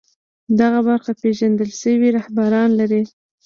دغه برخه پېژندل شوي رهبران لري